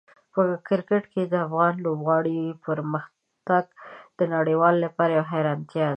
په کرکټ کې د افغان لوبغاړو پرمختګ د نړیوالو لپاره یوه حیرانتیا ده.